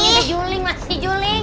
dijuling maks dijuling